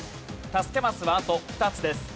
助けマスはあと２つです。